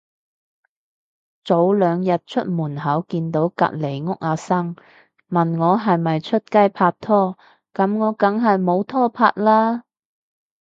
早兩日出門口見到隔離屋阿生，問我係咪出街拍拖，噉我梗係冇拖拍啦